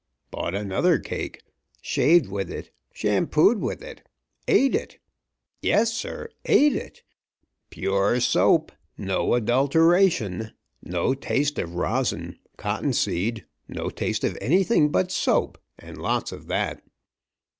Bought another cake shaved with it, shampooed with it, ate it. Yes, sir, ate it! Pure soap no adulteration. No taste of rosin, cottonseed no taste of anything but soap, and lots of that.